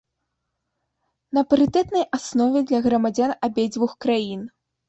На парытэтнай аснове для грамадзян абедзвюх краін.